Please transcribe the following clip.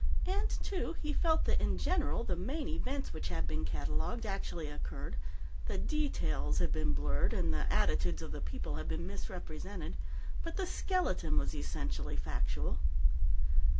And, too, he felt that, in general, the main events which had been catalogued actually occurred; the details had been blurred, and the attitudes of the people had been misrepresented, but the skeleton was essentially factual.